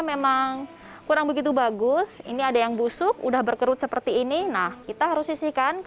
memang kurang begitu bagus ini ada yang busuk udah berkerut seperti ini nah kita harus sisihkan ke